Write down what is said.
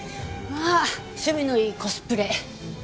まあ趣味のいいコスプレ。